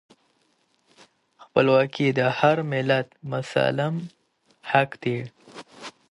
خپلواکي د هر ملت مسلم حق دی.